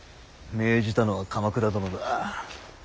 命じたのは鎌倉殿だ。